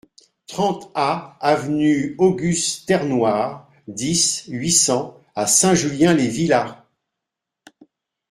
trente A avenue Auguste Terrenoire, dix, huit cents à Saint-Julien-les-Villas